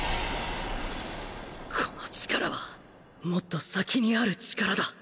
この力はもっと先に在る力だ